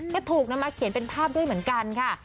ก็ถูกนำมาเขียนเป็นภาพด้วยเหมือนกันค่ะ